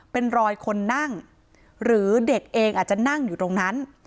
เป็นรอยคนนั่งหรือเด็กเองอาจจะนั่งอยู่ตรงนั้น